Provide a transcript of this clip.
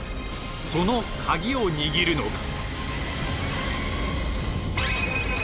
そのカギを握るのが。